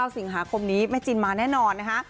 สิงหาคมนี้แม่จินมาแน่นอนนะคะ